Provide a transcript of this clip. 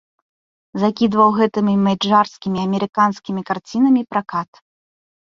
Закідваў гэтымі мэйджарскімі амерыканскімі карцінамі пракат.